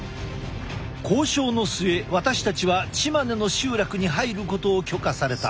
交渉の末私たちはチマネの集落に入ることを許可された。